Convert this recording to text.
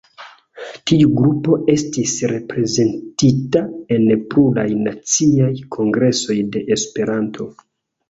Tiu grupo estis reprezentita en pluraj naciaj kongresoj de Esperanto.